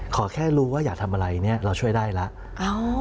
ขอแค่รู้ว่าอย่าทำอะไรเนี่ยเราช่วยได้แล้ว